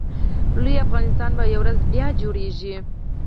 لوی افغانستان به یوه ورځ بیا جوړېږي